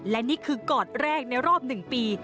และนี่คือกอดแรกในรอบ๑ปี